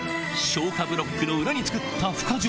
消波ブロックの裏に作ったふ化場。